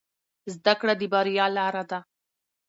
زده کړه د بریا لاره ده